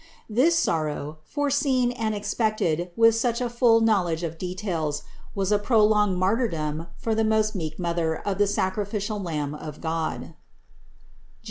This sorrow, foreseen and expected with such a full knowledge of details, was a prolonged martyrdom for the most meek Mother of the sacrificial Lamb of God (Jer.